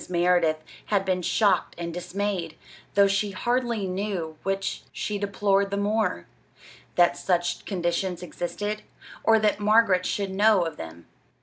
Merideth had been shocked and dismayed, though she hardly knew which she deplored the more that such conditions existed, or that Margaret should know of them.